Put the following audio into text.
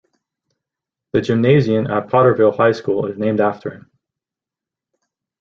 The gymnasium at Porterville High School is named after him.